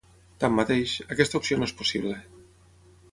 Tanmateix, aquesta opció no és possible.